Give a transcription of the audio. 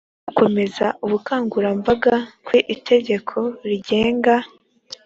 gukomeza ubukangurambaga ku itegeko rigenga